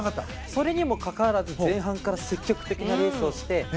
それにもかかわらず前半から積極的なレースをして。